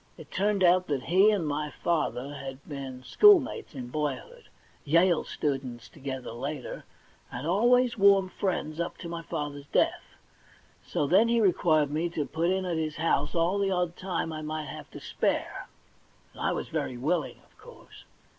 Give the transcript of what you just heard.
It turned out that he and my father had been schoolmates in boy hood, Yale students together later, and always warm friends up to my father's death. So then he required me to put in at his house all the odd time I might have to spare, and I was very willipg, of course.